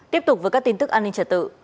tiếp tục với các tin tức an ninh trật tự